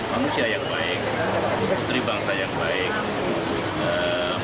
manusia yang baik putri bangsa yang baik